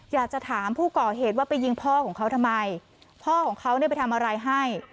อยากจะถามผู้ก่อเหตุว่าไปยิงพ่อของเขาทำไมพ่อของเขาเนี่ยไปทำอะไรให้